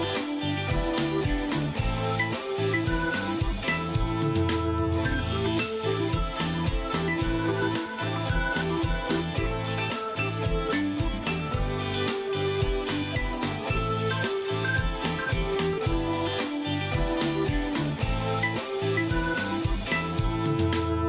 สวัสดีครับสวัสดีครับ